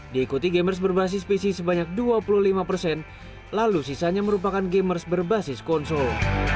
diikuti gamers berbasis pc sebanyak dua puluh lima persen lalu sisanya merupakan gamers berbasis konsol